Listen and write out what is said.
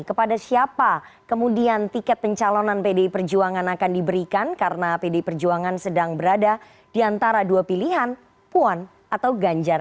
kepada siapa kemudian tiket pencalonan pdi perjuangan akan diberikan karena pdi perjuangan sedang berada di antara dua pilihan puan atau ganjar